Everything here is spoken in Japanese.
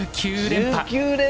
１９連覇⁉